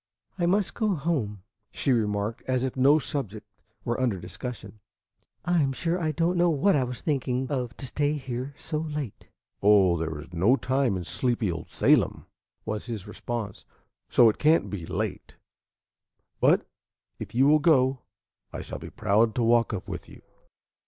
"I must go home," she remarked, as if no subject were under discussion. "I am sure I don't know what I was thinking of to stay here so late." "Oh, there is no time in sleepy old Salem," was his response, "so it can't be late; but if you will go, I shall be proud to walk up with you."